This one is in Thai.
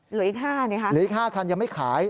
เหลืออีก๕นะคะเหลืออีก๕คันยังไม่ขาย